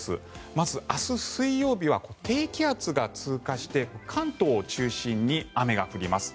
まず、明日水曜日は低気圧が通過して関東を中心に雨が降ります。